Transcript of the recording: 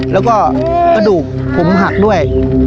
แล้วก็กระดูกผมหักด้วย